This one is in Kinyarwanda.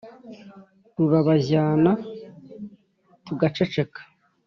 rurabajyana tugaceceka,